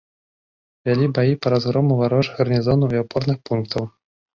Вялі баі па разгрому варожых гарнізонаў і апорных пунктаў.